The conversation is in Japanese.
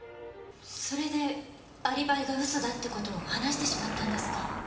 それでアリバイが嘘だって事を話してしまったんですか？